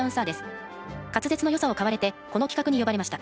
滑舌のよさを買われてこの企画に呼ばれました。